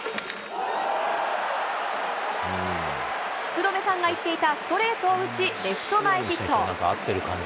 福留さんが言っていたストレートを打ち、レフト前ヒット。